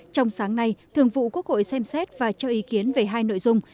trong sáng nay thường vụ quốc hội xem xét và cho ý kiến về hai nội dung